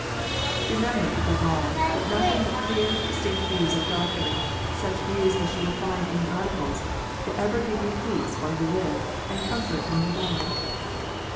Remember, above all, that nothing but clear, distinct views of doctrine, such views as you will find in the Articles, will ever give you peace while you live, and comfort when you die.